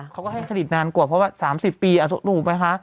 เขาก็ให้ขณิตนานกว่าเพราะว่า๓๐ปีอาจารย์หนูไหมคะ